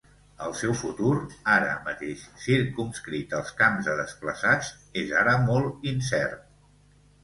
El seu futur, ara mateix circumscrit als camps de desplaçats, “és ara molt incert”.